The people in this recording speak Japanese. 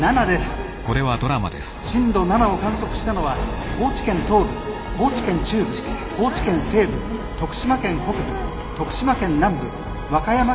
震度７を観測したのは高知県東部高知県中部高知県西部徳島県北部徳島県南部和歌山県北部